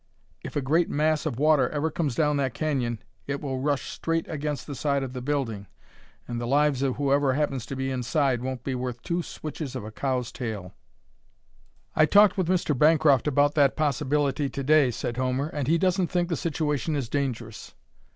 If a great mass of water ever comes down that canyon it will rush straight against the side of the building and the lives of whoever happens to be inside won't be worth two switches of a cow's tail." "I talked with Mr. Bancroft about that possibility to day," said Homer, "and he doesn't think the situation is dangerous."